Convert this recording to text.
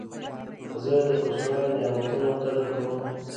زه د کوچنیو نعمتو قدر کوم.